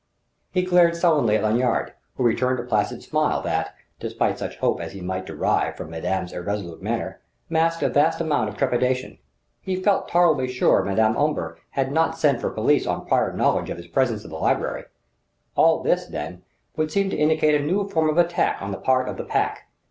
He glared sullenly at Lanyard; who returned a placid smile that (despite such hope as he might derive from madame's irresolute manner) masked a vast amount of trepidation. He felt tolerably sure Madame Omber had not sent for police on prior knowledge of his presence in the library. All this, then, would seem to indicate a new form of attack on the part of the Pack.